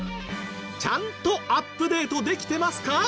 ちゃんとアップデートできてますか？